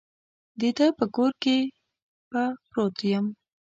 د ده په کور کې به پروت یم.